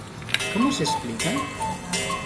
¿Como se explica?